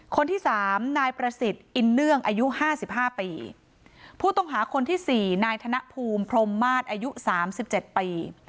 คนที่สามนายประสิทธิ์อินเนื่องอายุห้าสิบห้าปีผู้ต้องหาคนที่สี่นายธนภูมิพรมมาศอายุสามสิบเจ็ดปี